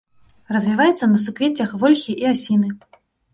Развіваецца на суквеццях вольхі і асіны.